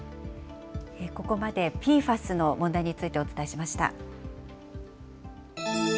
ここまでＰＦＡＳの問題についてお伝えしました。